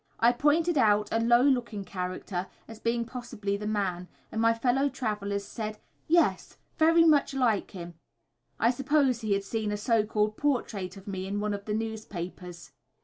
I pointed out a low looking character as being possibly the man, and my fellow traveller said, "Yes! very much like him." I suppose he had seen a so called portrait of me in one of the newspapers.